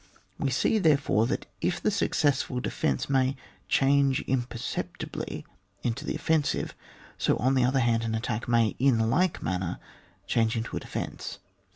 We see, therefore, that if the successful defence may change imperceptibly into the offen sive; soon the other hand an attack may, in like manner, change into a defence.